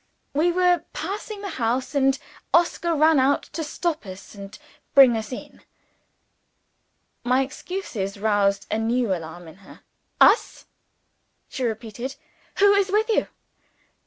"We were passing the house, and Oscar ran out to stop us and bring us in." My excuses roused a new alarm in her. "Us?" she repeated. "Who is with you?"